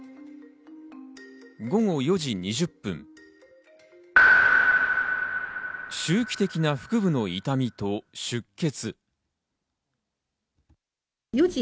午後４時２０分、周期的な腹部の痛みと出血。